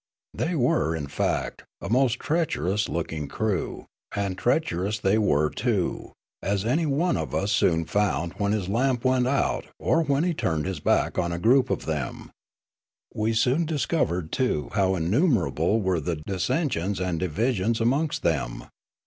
They were, in fact, a most treacherous looking crew; Meskeeta d' / and treacherous they were, too, as any one of us soon found when his lamp went out or when he turned his back on a group of them. We soon discovered, too, how innumerable were the dissensions and divisions amongst them.